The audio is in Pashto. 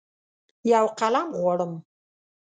یوقلم غواړم